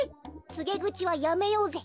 つげぐちはやめようぜ。